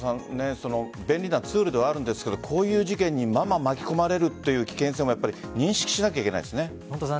便利なツールではあるんですがこういう事件に巻き込まれるという危険性も認識しなきゃいけないですね。